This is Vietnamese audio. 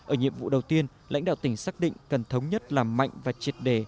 ở nhiệm vụ đầu tiên lãnh đạo tỉnh xác định cần thống nhất làm mạnh và triệt đề